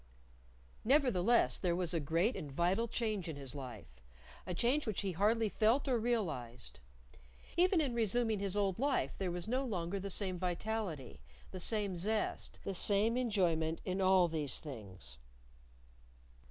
Nevertheless, there was a great and vital change in his life; a change which he hardly felt or realized. Even in resuming his old life there was no longer the same vitality, the same zest, the same enjoyment in all these things.